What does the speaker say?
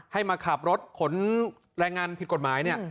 ให้มาขับรถขนแรงงานผิดกฎหมายเนี่ย